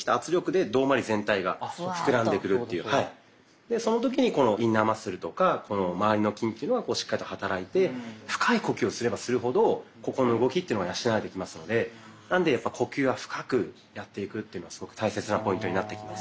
でその時にこのインナーマッスルとかまわりの筋というのはしっかりと働いて深い呼吸をすればするほどここの動きというのは養われてきますのでなので呼吸は深くやっていくというのはすごく大切なポイントになってきます。